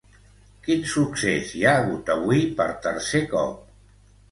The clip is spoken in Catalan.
Quin succés hi ha hagut avui per tercer cop?